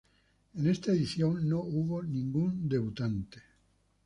En esta edición no hubo ningún debutante.